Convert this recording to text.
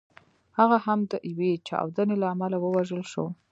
هغه هم د یوې چاودنې له امله ووژل شو.